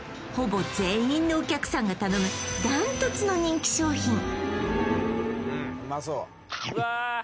ほぼ全員のお客さんが頼むダントツの人気商品